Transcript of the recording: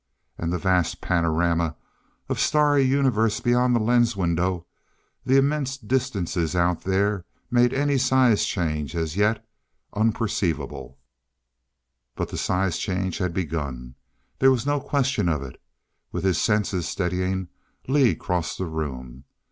And the vast panorama of starry Universe beyond the lens window, the immense distances out there, made any size change as yet unperceivable. But the size change had begun, there was no question of it. With his senses steadying, Lee crossed the room.